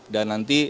dan nanti berdiskusi